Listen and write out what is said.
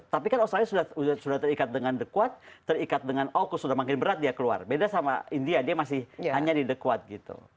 tapi kan australia sudah terikat dengan the quad terikat dengan aukus sudah makin berat dia keluar beda sama india dia masih hanya di the quad gitu